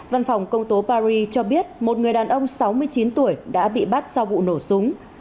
văn phòng công tố paris cho biết một người đàn ông sáu mươi chín tuổi đã bị bắt sau vụ nổ súng